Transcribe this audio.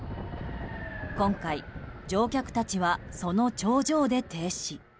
今回、乗客たちはその頂上で停止。